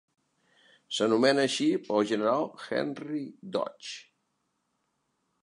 S'anomena així pel general Henry Dodge.